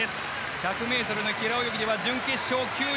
１００ｍの平泳ぎでは準決勝９位。